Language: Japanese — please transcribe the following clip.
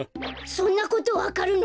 そんなことわかるの！？